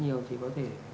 nhiều thì có thể